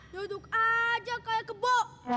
duduk aja kayak kebo